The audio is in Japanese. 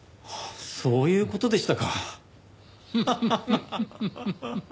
そういう事でしたか。